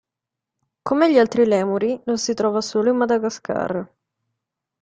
Come gli altri lemuri, lo si trova solo in Madagascar.